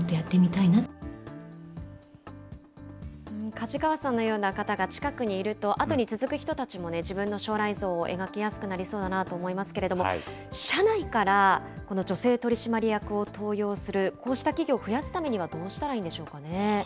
梶川さんのような方が近くにいると、後に続く人たちも自分の将来像を描きやすくなりそうだなと思いますけれども、社内からこの女性取締役を登用する、こうした企業、増やすためにはどうしたらいいんでしょうかね。